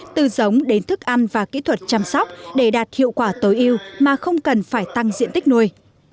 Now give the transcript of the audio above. từ giống đến thức ăn và kỹ thuật chăm sóc để đạt hiệu quả tối ưu mà không cần phải tăng diện tích nuôi